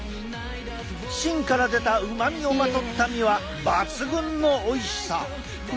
芯から出たうまみをまとった実は抜群のおいしさ。